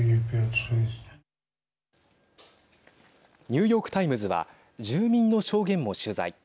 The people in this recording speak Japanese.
ニューヨーク・タイムズは住民の証言も取材。